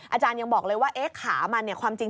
อาจารย์ยังบอกเลยว่าขามันเนี่ยความจริง